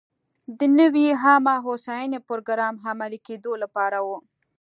د نوې عامه هوساینې پروګرام عملي کېدو لپاره و.